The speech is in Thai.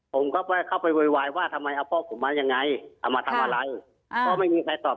ผมก็เข้าไปวัยวายว่าทำไมพ่อผมมาอย่างไรมาทำอะไร